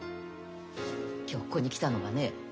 今日ここに来たのはね